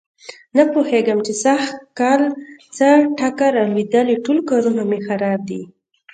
نه پوهېږم چې سږ کل څه ټکه را لوېدلې ټول کارونه مې خراب دي.